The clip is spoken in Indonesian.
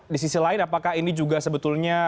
di sisi lain apakah ini juga sebetulnya